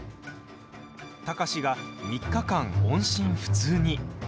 貴司が３日間、音信不通に。